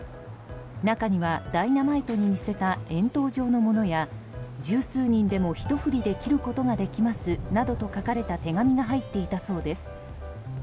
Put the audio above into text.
中には、ダイナマイトに似せた円筒状のものや「十数人でも一振りで切ることができます」などと書かれた手紙が入っていたそうです。